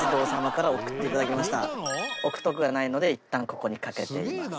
置くとこがないのでいったんここにかけています。